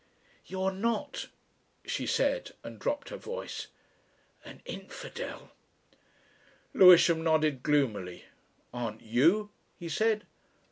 "You're not," she said, and dropped her voice, "an infidel?" Lewisham nodded gloomily. "Aren't you?" he said.